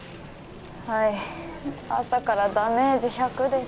はい朝からダメージ１００です